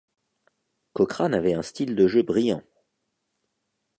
Cochrane avait un style de jeu brillant.